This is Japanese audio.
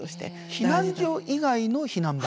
避難所以外の避難場所？